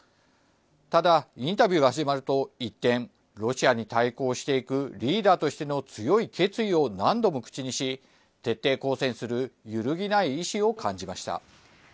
ただ、インタビューが始まると一転、ロシアに対抗していくリーダーとしての強い決意を何度も口にし、徹底抗戦する揺るぎない意志を感じました。